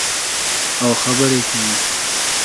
او خبرې کوي.